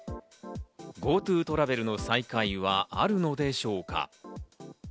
ＧｏＴｏトラベルの再開はあるのでしょうか。